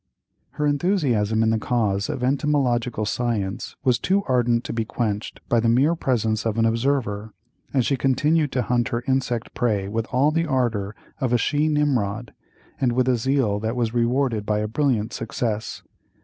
Her enthusiasm in the cause of entomological science was too ardent to be quenched by the mere presence of an observer, and she continued to hunt her insect prey with all the ardor of a she Nimrod, and with a zeal that was rewarded by a brilliant success.